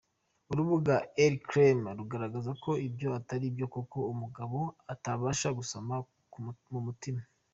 Urubuga El Crema rugaragaza ko ibyo atari byo kuko umugabo atabasha gusoma mu mutima.